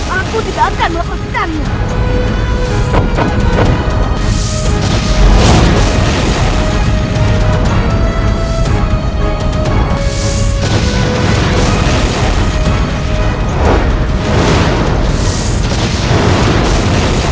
aku tidak akan melakukan ini